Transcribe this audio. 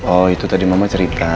oh itu tadi mama cerita